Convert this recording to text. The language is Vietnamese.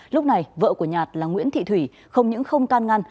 lúc này vợ của nhạt là nguyễn thị thủy không những không tan ngăn